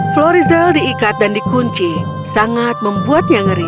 florizel diikat dan dikunci sangat membuatnya ngeri